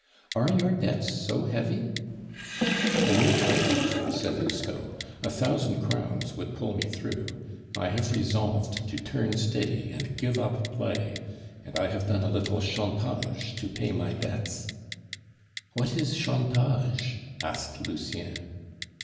"Are your debts so heavy?" "A mere trifle," said Lousteau. "A thousand crowns would pull me through. I have resolved to turn steady and give up play, and I have done a little 'chantage' to pay my debts." "What is 'chantage'?" asked Lucien.